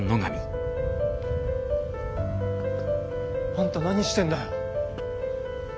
あんた何してんだよ。